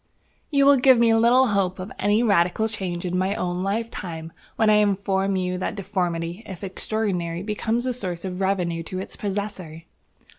"You will give me little hope of any radical change in my own lifetime when I inform you that deformity, if extraordinary, becomes a source of revenue to its possessor."